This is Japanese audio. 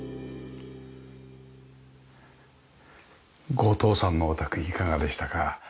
後藤さんのお宅いかがでしたか？